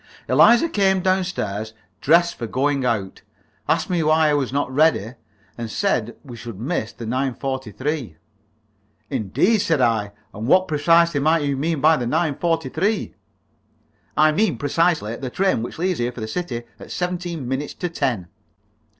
Eliza came down stairs, dressed for going out, asked me why I was not ready, and said we should miss the 9.43. "Indeed!" said I. "And what, precisely, might you mean by the 9.43?" "I mean, precisely, the train which leaves here for the city at seventeen minutes to ten."